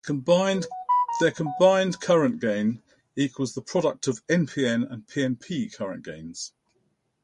Their combined current gain equals the product of npn and pnp current gains.